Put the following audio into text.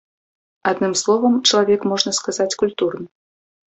Адным словам, чалавек, можна сказаць, культурны.